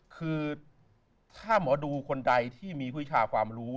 คือถ้าหมอดูคนไดที่มีคุยศาสนความรู้